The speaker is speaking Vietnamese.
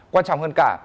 quan trọng hơn cả